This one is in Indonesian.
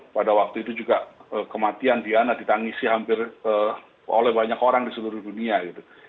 pada waktu itu juga kematian diana ditangisi hampir oleh banyak orang di seluruh dunia gitu